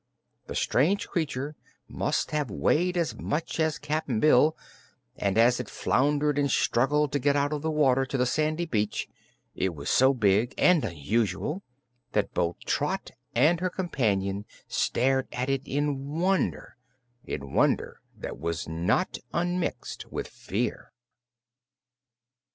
The strange creature must have weighed as much as Cap'n Bill, and as it floundered and struggled to get out of the water to the sandy beach it was so big and unusual that both Trot and her companion stared at it in wonder in wonder that was not unmixed with fear.